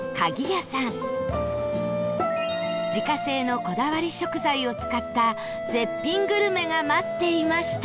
自家製のこだわり食材を使った絶品グルメが待っていました